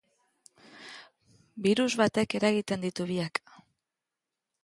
Birus batek eragiten ditu biak.